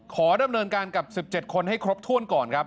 ขอดำเนินการกับ๑๗คนให้ครบถ้วนก่อนครับ